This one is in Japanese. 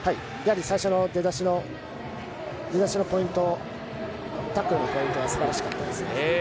最初の出だしのポイントタックルのポイントが素晴らしかったですね。